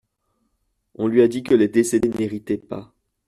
On lui a dit que les décédés n’héritaient pas.